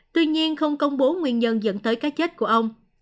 tuy nhiên không công bố nguyên nhân dẫn tới cái chết của ông